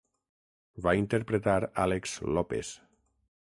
Va interpretar Álex López.